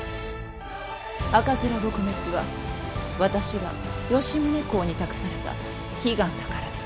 赤面撲滅は私が吉宗公に託された悲願だからです。